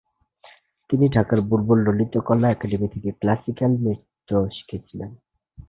তিনি ঢাকায় বুলবুল ললিতকলা একাডেমি থেকে ক্লাসিক্যাল নৃত্য শিখেছিলেন।